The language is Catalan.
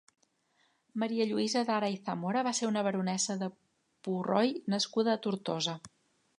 Maria Lluïsa Dara i Zamora va ser una baronessa de Purroi nascuda a Tortosa.